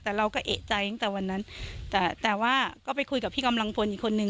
แต่เราก็เอกใจตั้งแต่วันนั้นแต่แต่ว่าก็ไปคุยกับพี่กำลังพลอีกคนนึง